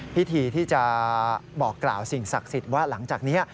พิธีที่จะบอกกล่าวสิ่งศักดิ์สิทธิ์ว่าหลังจากนี้